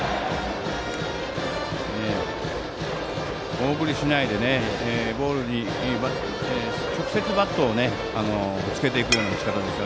大振りしないでボールに直接バットをぶつけていくような打ち方です。